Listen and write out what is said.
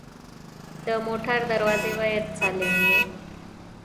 د موټر دروازې باید سالمې وي.